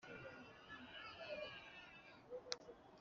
imboga kwi soko, zimwe mu mboga zigurwayo